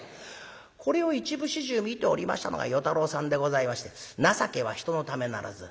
これを一部始終見ておりましたのが与太郎さんでございまして「情けは人のためならず」